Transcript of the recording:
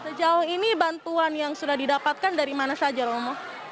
sejauh ini bantuan yang sudah didapatkan dari mana saja romo